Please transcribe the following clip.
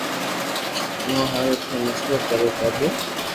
مون ھارو ٿي مسلئ ڪرو ڪاڌيو